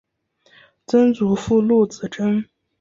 曾祖父陆子真。